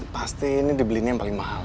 pasti ini dibelinya yang paling mahal